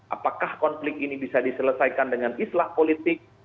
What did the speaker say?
apakah konflik ini bisa diselesaikan dengan islah politik